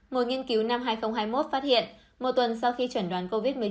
một nghiên cứu năm hai nghìn hai mươi một phát hiện một tuần sau khi chuẩn đoán covid một mươi chín